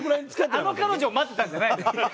あの彼女を待ってたんじゃないんだよ。